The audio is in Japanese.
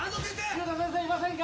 ・竜太先生いませんか！？